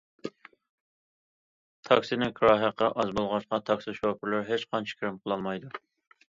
تاكسىنىڭ كىرا ھەققى ئاز بولغاچقا، تاكسى شوپۇرلىرى ھېچقانچە كىرىم قىلالمايدۇ.